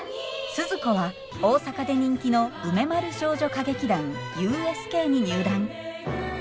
スズ子は大阪で人気の梅丸少女歌劇団ＵＳＫに入団。